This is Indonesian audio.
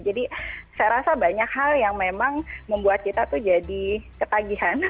jadi saya rasa banyak hal yang memang membuat kita tuh jadi ketagihan